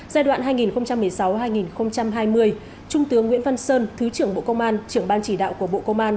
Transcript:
giai đoạn hai nghìn một mươi sáu hai nghìn hai mươi trung tướng nguyễn văn sơn thứ trưởng bộ công an trưởng ban chỉ đạo của bộ công an